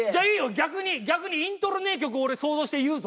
逆に逆にイントロねえ曲俺想像して言うぞ。